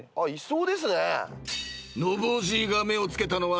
［ノブおじいが目を付けたのは］